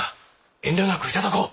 遠慮なく頂こう。